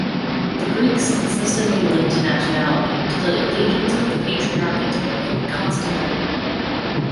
The Greeks consistently linked nationality to the allegiance to the Patriarchate of Constantinople.